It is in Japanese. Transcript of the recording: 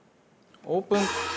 オープン。